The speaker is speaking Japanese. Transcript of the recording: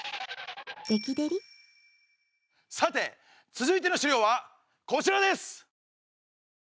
さて続いての資料はこちらです。